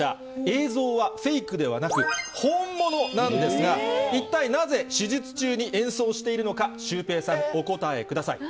映像はフェイクではなく、本物なんですが、一体なぜ、手術中に演奏しているのか、シュウペイさん、お答えください。